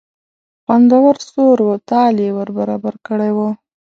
خوندور سور و تال یې ور برابر کړی و.